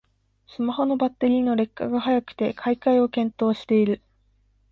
スマホのバッテリーの劣化が早くて買い替えを検討してる